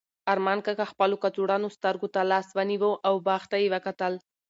ارمان کاکا خپلو کڅوړنو سترګو ته لاس ونیو او باغ ته یې وکتل.